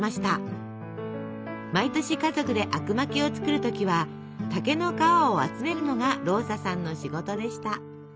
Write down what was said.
毎年家族であくまきを作る時は竹の皮を集めるのがローサさんの仕事でした。